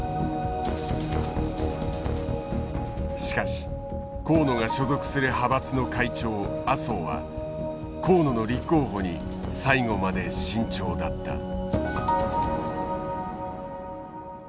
しかし河野が所属する派閥の会長麻生は河野の立候補に最後まで慎重だった。